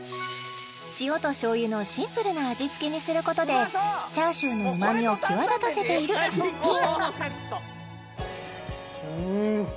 塩と醤油のシンプルな味付けにすることで叉焼のうまみを際立たせている逸品うん！